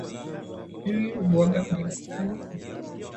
Mimi huoga mara tano kwa siku